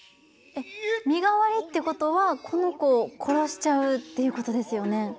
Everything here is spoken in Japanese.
えっ身代わりってことはこの子を殺しちゃうっていうことですよね。